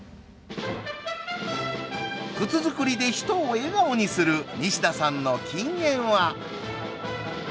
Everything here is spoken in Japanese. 靴作りで人を笑顔にする西田さんの金言は。